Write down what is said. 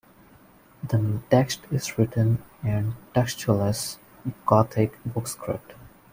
The text is written in Textualis Gothic bookscript.